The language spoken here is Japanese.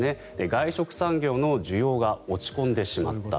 外食産業の需要が落ち込んでしまった。